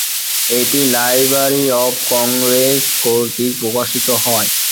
এটি Library of Congress কর্তৃক প্রকাশিত হয়।